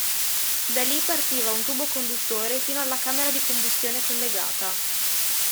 Da lì partiva un tubo conduttore fino alla camera di combustione collegata.